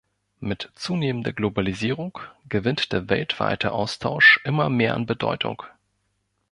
Mit zunehmender Globalisierung gewinnt der weltweite Austausch immer mehr an Bedeutung.